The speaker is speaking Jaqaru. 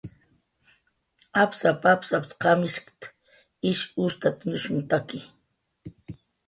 "Apsap"" apsap"" qamishkt"" ish ustatnushuntaki"